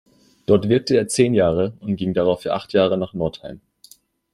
Dort wirkte er zehn Jahre und ging darauf für acht Jahre nach Northeim.